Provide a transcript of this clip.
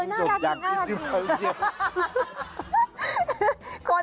เออน่าอยากกินน่าอยากกิน